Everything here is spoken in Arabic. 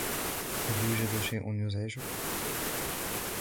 هل يوجد شيء يُزعِجَك ؟